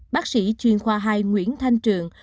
bác sĩ chuyên khoa hai nguyễn thanh trường